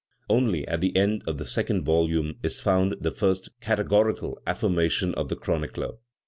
Only at the end of the second volume is found the first categorical affirmation of the chronicler.